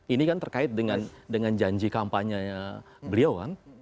ini kan terkait dengan janji kampanye beliau kan